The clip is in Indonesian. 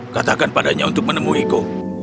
katakan padanya untuk menemuiku